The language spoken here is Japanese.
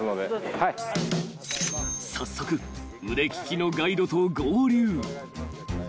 ［早速腕利きのガイドと合流］